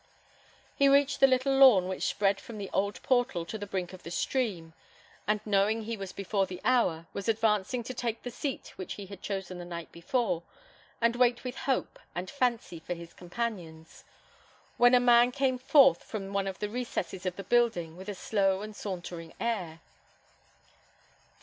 He reached the little lawn which spread from the old portal to the brink of the stream, and knowing he was before the hour, was advancing to take the seat which he had chosen the night before, and wait with hope and fancy for his companions, when a man came forth from one of the recesses of the building, with a slow and sauntering air.